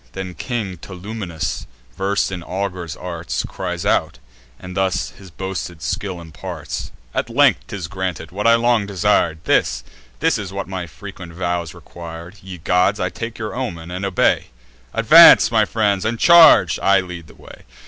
Then King Tolumnius, vers'd in augurs' arts, Cries out, and thus his boasted skill imparts: "At length 'tis granted, what I long desir'd! This, this is what my frequent vows requir'd. Ye gods, I take your omen, and obey. Advance, my friends, and charge! I lead the way.